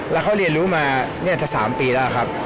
แล้วเขาเรียนรู้มาจะ๓ปีแล้วครับ